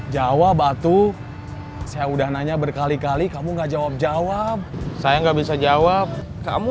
jawa batu saya udah nanya berkali kali kamu nggak jawab jawab saya nggak bisa jawab kamu